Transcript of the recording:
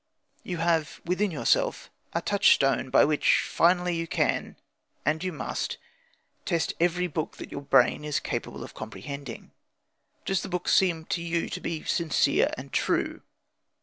You have within yourself a touchstone by which finally you can, and you must, test every book that your brain is capable of comprehending. Does the book seem to you to be sincere and true?